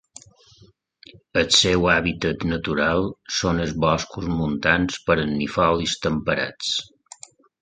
El seu hàbitat natural són els boscos montans perennifolis temperats.